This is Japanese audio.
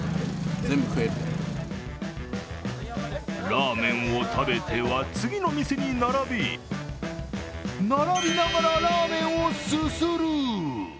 ラーメンを食べては次の店に並び、並びながらラーメンをすする。